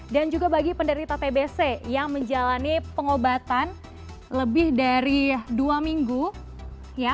dan juga bagi penderita tbc yang menjalani pengobatan lebih dari dua minggu ya